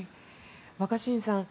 若新さん